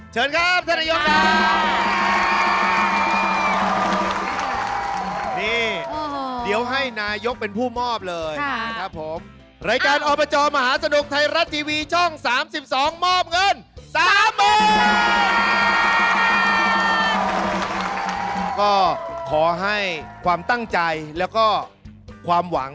ใช่มอดช่วยกันช่วยกัน